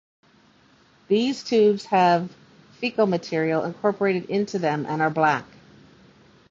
These tubes have faecal matter incorporated into them and are black.